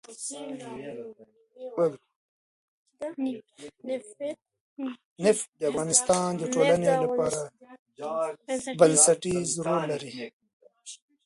نفت د افغانستان د ټولنې لپاره بنسټيز رول لري.